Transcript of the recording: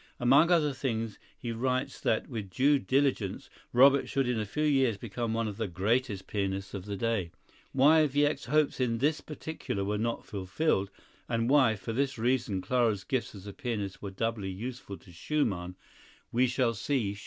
Among other things he writes that, with due diligence, Robert should in a few years become one of the greatest pianists of the day. Why Wieck's hopes in this particular were not fulfilled, and why, for this reason, Clara's gifts as a pianist were doubly useful to Schumann, we shall see shortly.